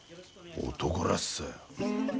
男らしさよ。